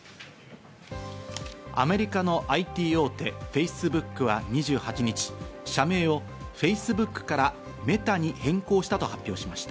アメリカのＩＴ大手Ｆａｃｅｂｏｏｋは２８日、社名をＦａｃｅｂｏｏｋからＭｅｔａに変更したと発表しました。